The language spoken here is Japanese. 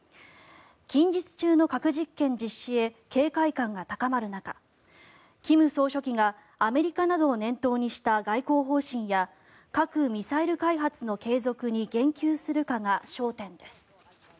近日中の核実験実施へ警戒感が高まる中金総書記がアメリカなどを念頭にした外交方針や核・ミサイル開発の継続に言及するかが焦点です。